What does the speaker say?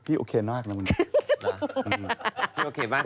แต่พี่โอเคมากน่ะมึง